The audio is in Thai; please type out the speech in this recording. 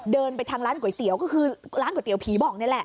เดินไปทางร้านก๋วยเตี๋ยวก็คือร้านก๋วยเตี๋ยผีบอกนี่แหละ